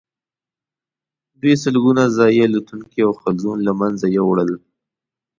دوی سلګونه ځايي الوتونکي او حلزون له منځه یوړل.